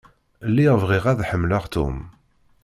Lliɣ bɣiɣ ad ḥemmleɣ Tom.